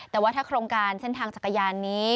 แต่ว่าถ้าโครงการเส้นทางจักรยานนี้